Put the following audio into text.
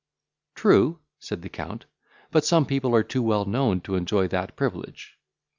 "True," said the Count, "but some people are too well known to enjoy that privilege."